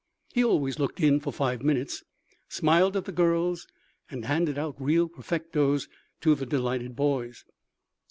He always looked in for five minutes, smiled at the girls and handed out real perfectos to the delighted boys.